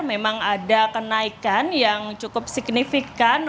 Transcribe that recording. memang ada kenaikan yang cukup signifikan